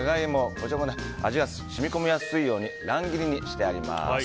こちらは味が染み込みやすいように乱切りにしてあります。